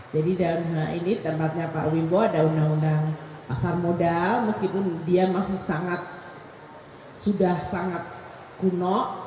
jadi dalam hal ini tempatnya pak wimbo ada undang undang pasar modal meskipun dia masih sangat sudah sangat kuno